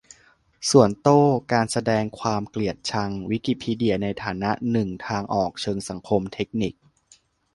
สวนโต้การแสดงความเกลียดชัง : วิกิพีเดียในฐานะหนึ่งทางออกเชิงสังคม-เทคนิค ?